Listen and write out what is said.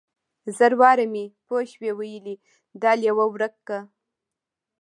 زر واره مې پوشوې ويلي دا ليوه ورک که.